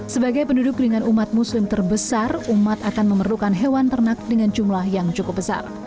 sebagai penduduk dengan umat muslim terbesar umat akan memerlukan hewan ternak dengan jumlah yang cukup besar